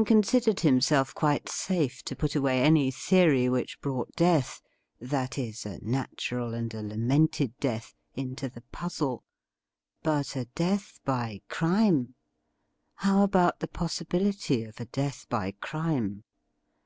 Jim considered himself quite safe to put away any theory which brought death — that is, a natural and a lamented death — into the puzzle. But a death by crime.? How about the possibility of a death by crime